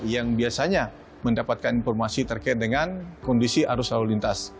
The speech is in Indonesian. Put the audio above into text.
yang biasanya mendapatkan informasi terkait dengan kondisi arus lalu lintas